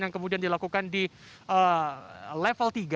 yang kemudian dilakukan di level tiga